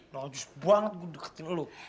nah just banget gua deketin lu